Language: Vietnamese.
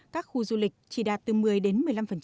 các khu du lịch chỉ đạt từ một mươi đến một mươi năm